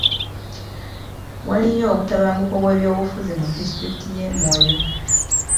Waliyo obutabanguko bw'ebyobufuzi mu disitulikiti y'e Moyo.